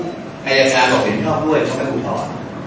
นาภาคงานกระหน่งเสียรอบด้วยเขาไม่อุทธอด